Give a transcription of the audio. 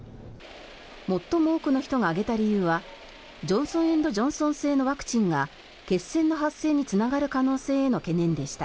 最も多くの人が挙げた理由はジョンソン・エンド・ジョンソン製のワクチンが血栓の発生につながる可能性への懸念でした。